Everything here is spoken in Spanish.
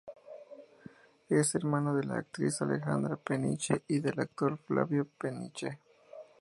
Es hermano de la actriz Alejandra Peniche y del actor Flavio Peniche.